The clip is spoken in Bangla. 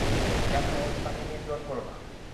যা সহজ তাকে নিয়ে জোর কোরো না।